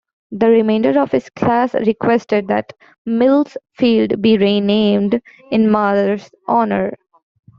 The remainder of his class requested that Mills Field be renamed in Mather's honor.